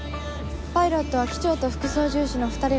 パイロットは機長と副操縦士の２人が基本。